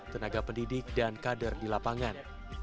tenaga pendidik dan kader di lapangan